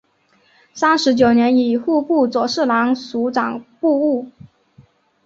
三十九年以户部左侍郎署掌部务。